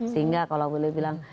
sehingga kalau bu lely bilang